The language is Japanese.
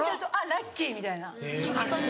ラッキー！みたいな。